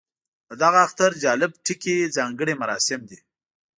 د دغه اختر جالب ټکی ځانګړي مراسم دي.